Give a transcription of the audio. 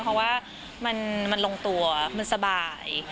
เพราะว่ามันลงตัวมันสบาย